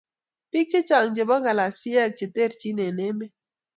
Bik chechang chebo kalaisiek che terchin eng emet